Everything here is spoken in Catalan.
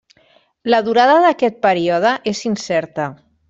La durada d'aquest període és incerta.